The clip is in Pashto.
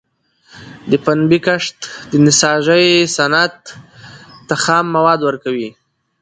د پنبي کښت د نساجۍ صنعت ته خام مواد ورکوي.